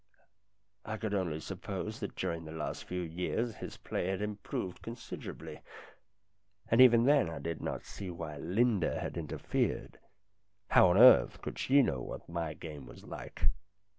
I could only suppose that during the last few years his play had improved considerably. And even then I did not see why Linda had interfered. How on earth could she know what my game was like